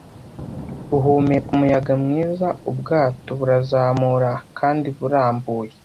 uhumeka umuyaga mwiza ubwato burazamura kandi burambuye